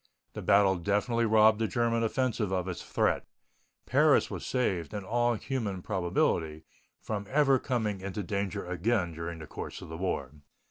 The battle definitely robbed the German offensive of its threat. Paris was saved, in all human probability, from ever coming into danger again during the course of the war.